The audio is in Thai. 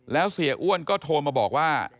แล้วเสียอ้วนก็โทรมาบอกว่า